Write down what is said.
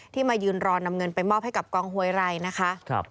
มายืนรอนำเงินไปมอบให้กับกองหวยไรนะคะ